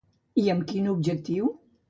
I amb quin objectiu?